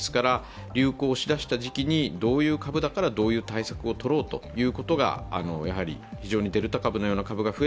流行をしだした時期にどういう株だからどういう対策をとろうということが非常にデルタ株のような株が増